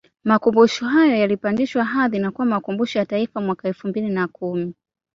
makumbusho hayo yalipandishwa hadhi na kuwa Makumbusho ya Taifa mwaka elfu mbili na kumi